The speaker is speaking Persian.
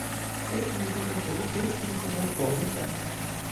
فکر میکنم که او فکر میکند باهوش است